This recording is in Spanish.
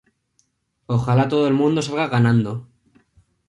Ojalá todo el mundo salga ganando".